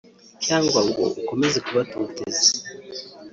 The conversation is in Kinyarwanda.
cyangwa ngo ukomeze kubatoteza…